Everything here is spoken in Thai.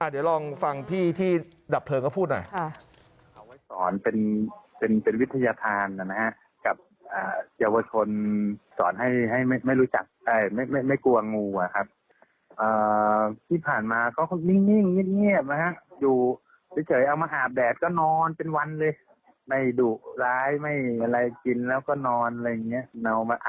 เดี๋ยวลองฟังพี่ที่ดับเพลิงเขาพูดหน่อย